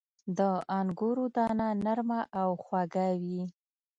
• د انګورو دانه نرمه او خواږه وي.